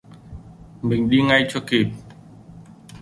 Mình đi ngay cho kịp